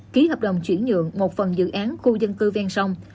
ký hợp đồng chuyển dưỡng một phần dự án khu dân cư vang sông